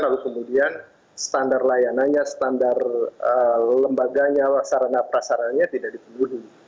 lalu kemudian standar layanannya standar lembaganya sarana prasaranya tidak dipenuhi